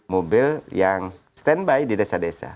mobil yang standby di desa desa